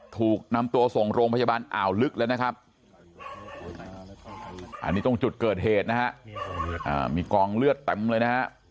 ถูกนำตัวส่งโรงพยาบาลอ่าวลึกแล้วนะครับอันนี้ตรงจุดเกิดเหตุนะฮะมีกองเลือดเต็มเลยนะฮะ